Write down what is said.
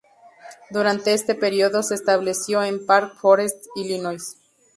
Durante este periodo se estableció en Park Forest, Illinois.